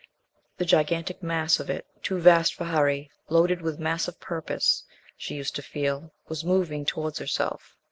The gigantic mass of it, too vast for hurry, loaded with massive purpose, she used to feel, was moving towards herself.